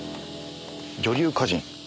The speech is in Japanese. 女流歌人。